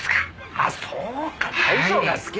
あっそうか大将が好きなんだ。